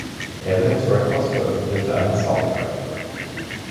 Evidence Records veröffentlichte einen Soundtrack.